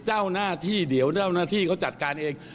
เจ้าหน้าที่เดี๋ยวเจ้าหน้าที่เขาจัดการเอง